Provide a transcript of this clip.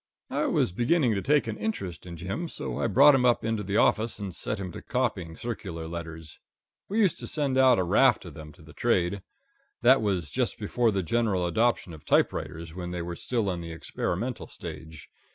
I was beginning to take an interest in Jim, so I brought him up into the office and set him to copying circular letters. We used to send out a raft of them to the trade. That was just before the general adoption of typewriters, when they were still in the experimental stage.